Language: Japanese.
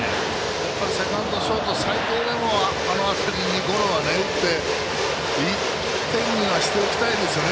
セカンド、ショート、最低でもあの辺りにゴロは打って１点にはしておきたいですよね。